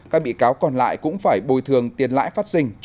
các bị cáo còn lại cũng phải bồi thường tiền lãi phát sinh